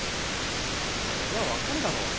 そりゃ分かるだろ。